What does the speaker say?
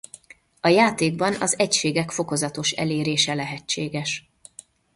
A játékban az egységek fokozatos elérése lehetséges.